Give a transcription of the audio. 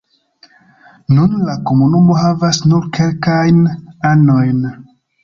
Nun la komunumo havas nur kelkajn anojn.